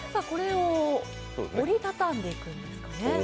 これを折り畳んでいくんですかね。